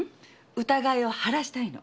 疑いを晴らしたいの。